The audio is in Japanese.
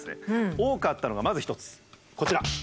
多かったのがまず一つこちら。